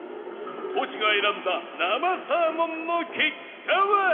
トシが選んだ生サーモンの結果は？